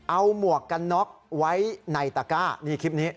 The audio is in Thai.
เอาหมวกกันน็อกไว้ในตะก้านี่คลิปนี้